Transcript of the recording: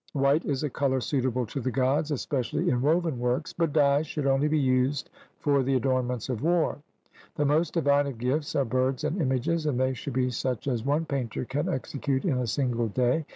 White is a colour suitable to the Gods, especially in woven works, but dyes should only be used for the adornments of war. The most divine of gifts are birds and images, and they should be such as one painter can execute in a single day.